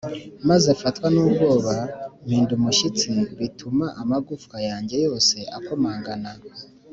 maze mfatwa n’ubwoba mpinda umushyitsi, bituma amagufwa yanjye yose akomangana,